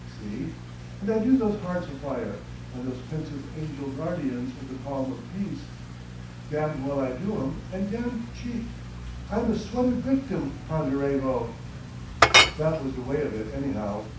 See? And I do those hearts afire and those pensive angel guardians with the palm of peace. Damned well I do 'em and damned cheap! I'm a sweated victim, Ponderevo..." That was the way of it, anyhow.